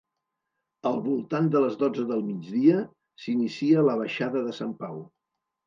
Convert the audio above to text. Al voltant de les dotze del migdia s'inicia la Baixada de sant Pau.